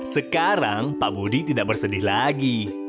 sekarang pak budi tidak bersedih lagi